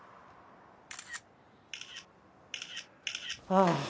ああ。